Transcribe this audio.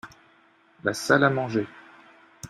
La salle à manger.